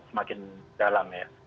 semakin dalam ya